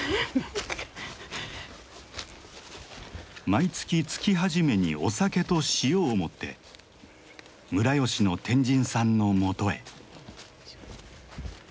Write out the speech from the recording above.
毎月月初めにお酒と塩を持って村吉の天神さんのもとへ。